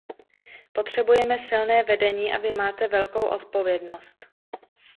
Potřebujeme silné vedení a vy máte velkou odpovědnost.